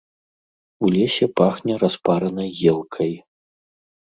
У лесе пахне распаранай елкай.